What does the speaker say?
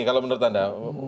kalau menurut anda